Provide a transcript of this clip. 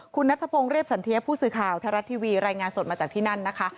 คุณนัทพงศ์เรียบสันเทียผู้สื่อข่าวไทยรัฐทีวีรายงานสดมาจากที่นั่นนะคะ